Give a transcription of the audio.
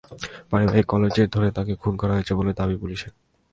পারিবারিক কলহের জের ধরে তাঁকে খুন করা হয়েছে বলে পুলিশের দাবি।